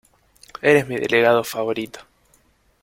Eres mi delegado favorito.